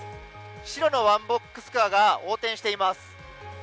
白のワンボックスカーが横転しています。